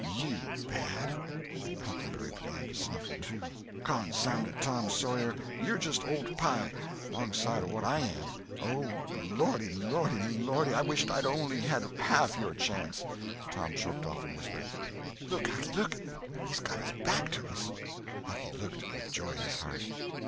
"You bad!" and Huckleberry began to snuffle too. "Consound it, Tom Sawyer, you're just old pie, 'long side o' what I am. Oh, lordy, lordy, lordy, I wisht I only had half your chance." Tom choked off and whispered: "Look, Hucky, look! He's got his back to us!" Hucky looked, with joy in his heart.